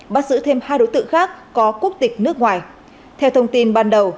bắt giữ thêm hai đối tượng khác có quốc tịch nước ngoài theo thông tin ban đầu